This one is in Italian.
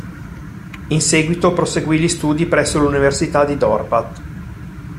In seguito proseguì gli studi presso l'Università di Dorpat.